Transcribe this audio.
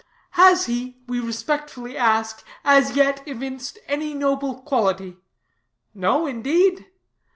'Has he, we respectfully ask, as yet, evinced any noble quality?' 'No, indeed.'